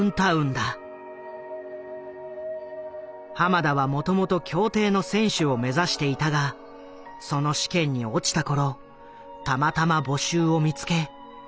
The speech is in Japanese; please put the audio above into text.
後の浜田はもともと競艇の選手を目指していたがその試験に落ちた頃たまたま募集を見つけ松本を誘った。